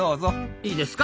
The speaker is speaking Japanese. いいですか。